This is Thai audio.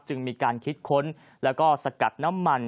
มีการคิดค้นแล้วก็สกัดน้ำมัน